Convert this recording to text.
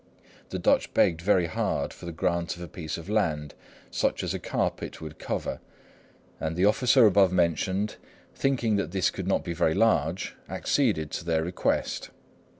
The Dutch begged very hard for the grant of a piece of land such as a carpet would cover; and the officer above mentioned, thinking that this could not be very large, acceded to their request.